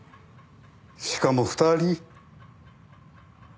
しかも２人。